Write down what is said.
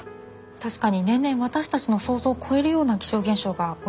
確かに年々私たちの想像を超えるような気象現象が起きていますもんね。